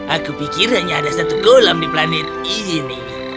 aku pikir hanya ada satu kolam di planet ini